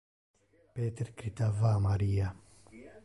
Peter critava a Maria.